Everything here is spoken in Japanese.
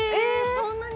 そんなに？